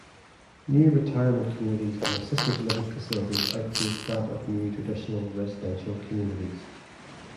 New retirement communities and assisted-living facilities outpace that of new traditional residential communities.